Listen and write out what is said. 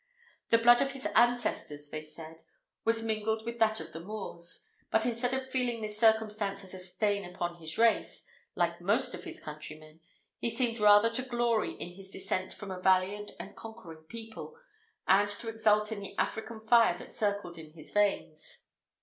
The blood of his ancestors, they said, was mingled with that of the Moors; but instead of feeling this circumstance as a stain upon his race, like most of his countrymen, he seemed rather to glory in his descent from a valiant and conquering people, and to exult in the African fire that circled in his veins.